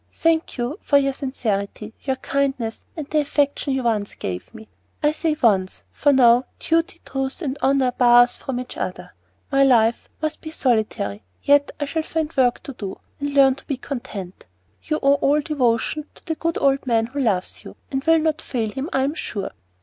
Thank you for your sincerity, your kindness, and the affection you once gave me. I say 'once,' for now duty, truth, and honor bar us from each other. My life must be solitary, yet I shall find work to do, and learn to be content. You owe all devotion to the good old man who loves you, and will not fail him, I am sure.